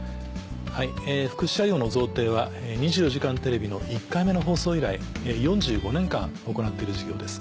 福祉車両の贈呈は『２４時間テレビ』の１回目の放送以来４５年間行っている事業です。